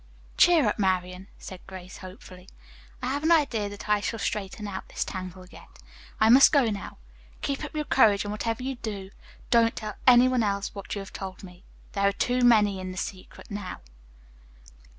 "Cheer up, Marian," said Grace hopefully. "I have an idea that I shall straighten out this tangle yet. I must go now. Keep up your courage and whatever you do, don't tell any one else what you have told me. There are too many in the secret now."